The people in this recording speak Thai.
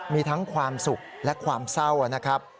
มีทั้งความสุขและความเศร้านะครับ